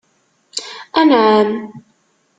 Anεam.